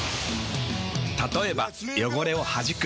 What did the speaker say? たとえば汚れをはじく。